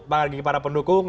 bagi para pendukung